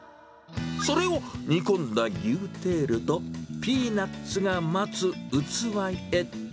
それを煮込んだ牛テールと、ピーナッツが待つ器へ。